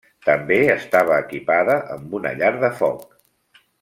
També estava equipada amb una llar de foc.